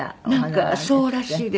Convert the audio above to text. なんかそうらしいです。